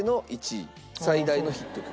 最大のヒット曲。